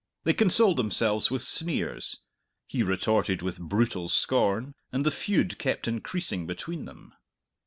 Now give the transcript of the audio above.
They consoled themselves with sneers, he retorted with brutal scorn, and the feud kept increasing between them.